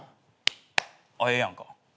ああええやんか。